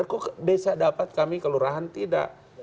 kok desa dapat kami kelurahan tidak